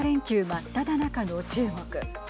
真っただ中の中国。